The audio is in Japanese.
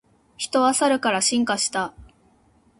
人はサルから進化した